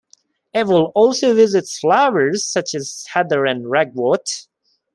It will also visit flowers such as heather and ragwort.